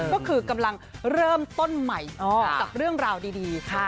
ก็คือกำลังเริ่มต้นใหม่จากเรื่องราวดี